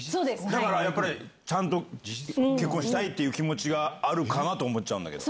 だからやっぱり、ちゃんと結婚したいという気持ちがあるかなと思っちゃうんだけど。